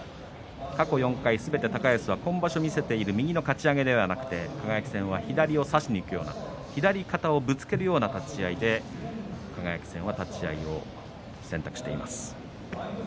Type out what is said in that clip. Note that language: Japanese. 過去４回すべて高安は今場所見せている右のかち上げではなくて輝戦は左を差しにいくような左肩をぶつけるような立ち合いで輝戦は立ち合いを選択しています。